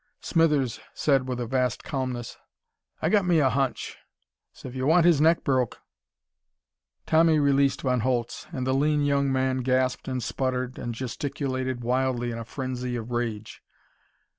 Smithers said with a vast calmness. "I got me a hunch. So if y'want his neck broke...." Tommy released Von Holtz and the lean young man gasped and sputtered and gesticulated wildly in a frenzy of rage.